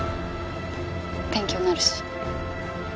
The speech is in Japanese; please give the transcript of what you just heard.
勉強になるし。